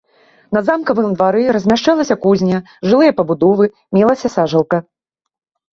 На замкавым двары размяшчалася кузня, жылыя пабудовы, мелася сажалка.